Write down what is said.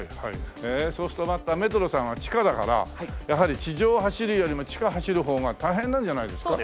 へえそうするとメトロさんは地下だからやはり地上を走るよりも地下を走る方が大変なんじゃないですか？